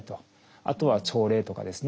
あとは朝礼とかですね